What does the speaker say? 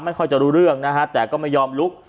ค่อยจะรู้เรื่องนะฮะแต่ก็ไม่ยอมลุก